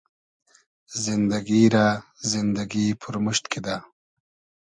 زیندئگی رۂ زیندئگی پورمورشت کیدۂ